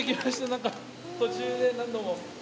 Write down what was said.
なんか途中で何度も。